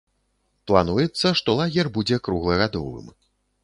Плануецца, што лагер будзе круглагадовым.